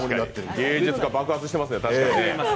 芸術家、爆発してますね。